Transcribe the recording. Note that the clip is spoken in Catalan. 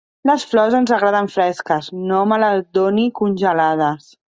Les flors ens agraden fresques; no me les doni congelades.